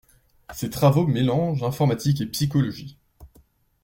Ses travaux mélangent informatique et psychologie.